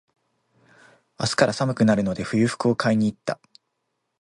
明日から寒くなるので、冬服を買いに行った。